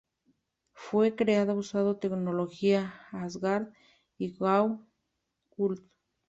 Fue creada usando tecnología Asgard y Goa'uld.